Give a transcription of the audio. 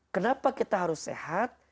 kenapa kita harus sehat